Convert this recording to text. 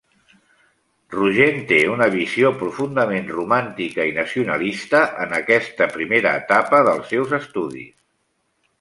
Rogent té una visió profundament romàntica i nacionalista en aquesta primera etapa dels seus estudis.